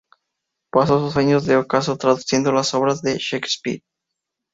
Pasó sus años de ocaso traduciendo las obras de Shakespeare.